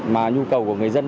mà nhu cầu của người dân